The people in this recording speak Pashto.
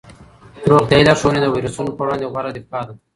روغتیايي لارښوونې د ویروسونو په وړاندې غوره دفاع ده.